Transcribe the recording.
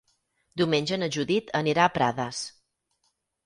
Diumenge na Judit anirà a Prades.